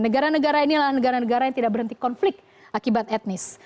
negara negara inilah negara negara yang tidak berhenti konflik akibat etnis